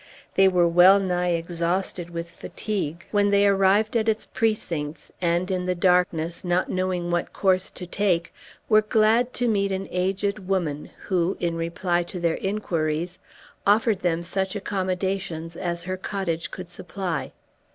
They were well nigh exhausted with fatigue when they arrived at its precincts, and in the darkness, not knowing what course to take, were glad to meet an aged woman, who, in reply to their inquiries, offered them such accommodations as her cottage could supply.